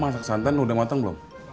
mama masak santan udah ngoteng belum